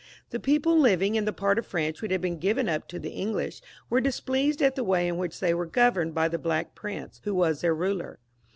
The people living in the part of France which had been given up to the English were displeased at the way in which they were governed by the Black Prince, who was their ruler.